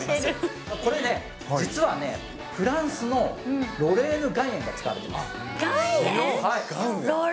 これね、実はフランスのロレーヌ岩塩が使われています。